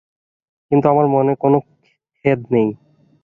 কিন্তু, আমার মনে কোনো খেদ নেই।